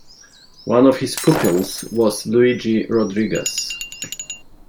One of his pupils was Luigi Rodriguez.